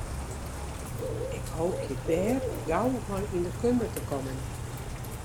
Ik hoopje dêr gau mei yn de kunde te kommen.